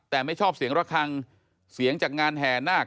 แต่ไม่ชอบเสียงระคังเสียงจากงานแห่นาค